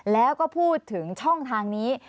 แล้วก็พูดถึงช่องทางนี้